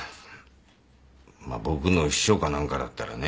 まあ僕の秘書かなんかだったらね。